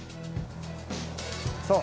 そう。